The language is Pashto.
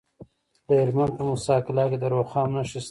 د هلمند په موسی قلعه کې د رخام نښې شته.